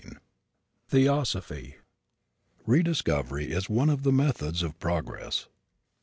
THEOSOPHY Rediscovery is one of the methods of progress.